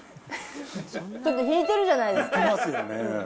ちょっと引いてるじゃないですか。